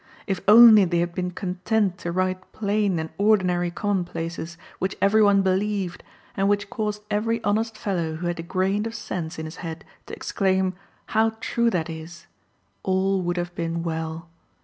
If only they had been content to write plain and ordinary commonplaces which every one believed, and which caused every honest fellow who had a grain of sense in his head to exclaim, "How true that is!" all would have been well.